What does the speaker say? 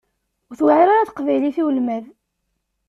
Ur tewεir ara teqbaylit i ulmad.